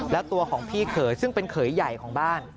แล้วตัวของพี่เขยซึ่งเป็นเขยใหญ่ของบ้าน